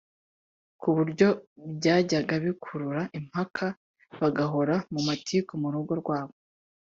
kuburyo byajyaga bikurura impaka bagahora mu matiku mu rugo rwabo